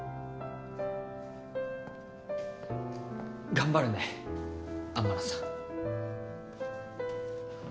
頑張るね天野さん。